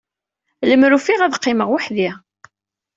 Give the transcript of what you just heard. Lemmer ufiɣ ad qqimeɣ weḥd-i.